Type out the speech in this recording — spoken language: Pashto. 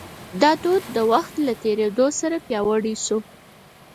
دا دود د وخت له تېرېدو سره پیاوړی شو.